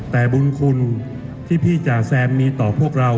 แต่บุญคุณที่พี่จ๋าแซมมีต่อพวกเรา